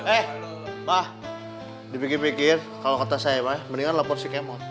eh mah dipikir pikir kalau kota saya mah mendingan lepon si kemot